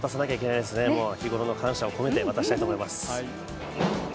日頃の感謝を込めて渡したいと思います。